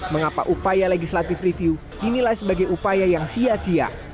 mengapa upaya legislative review dinilai sebagai upaya yang sia sia